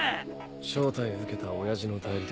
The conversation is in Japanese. ⁉招待受けた親父の代理で。